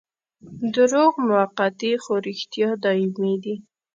دروغ موقتي خو رښتیا دايمي دي.